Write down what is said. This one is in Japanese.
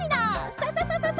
ササササササ。